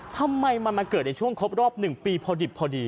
ทำไมมันมาเกิดในช่วงครบรอบ๑ปีพอดิบพอดี